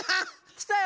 きたよ！